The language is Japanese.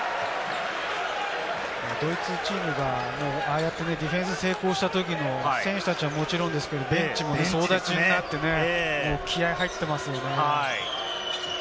ドイツチームがああやってディフェンス成功したときの選手たちは、もちろんベンチも総立ちになってね、気合入ってますよね。